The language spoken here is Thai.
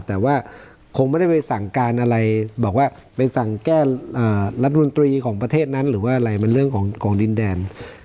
แต่ว่าคงไม่ได้ไปสั่งการอะไรบอกว่าไปสั่งแก้รัฐมนตรีของประเทศนั้นหรือว่าอะไรมันเรื่องของดินแดน